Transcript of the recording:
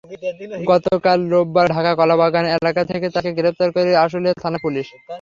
গতকাল রোববার ঢাকার কলাবাগান এলাকা থেকে তাঁকে গ্রেপ্তার করে আশুলিয়া থানার পুলিশ।